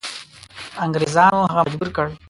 انګریزانو هغه مجبور کړ.